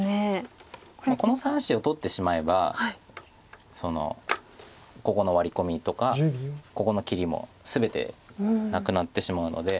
この３子を取ってしまえばここのワリ込みとかここの切りも全てなくなってしまうので。